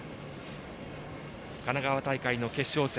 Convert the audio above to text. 神奈川大会の決勝戦